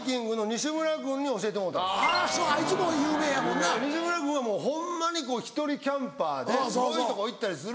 西村君はもうホンマに１人キャンパーで遠いとこ行ったりする。